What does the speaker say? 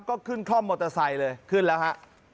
ก็ขึ้นคล่อมมอเตอร์ไซค์เลยขึ้นแล้วฮะ